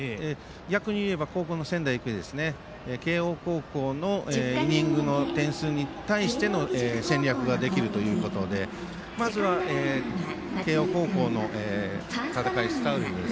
逆に言えば、後攻の仙台育英は慶応高校のイニングの点数に対しての戦略ができるということでまずは、慶応高校の戦い